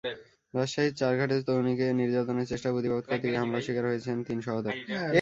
রাজশাহীর চারঘাটে তরুণীকে নির্যাতনের চেষ্টার প্রতিবাদ করতে গিয়ে হামলার শিকার হয়েছেন তিন সহোদর।